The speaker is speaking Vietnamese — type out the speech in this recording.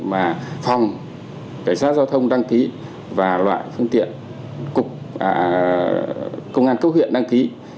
mà phòng cảnh sát giao thông đăng ký và loại phương tiện cục công an cấp huyện đăng ký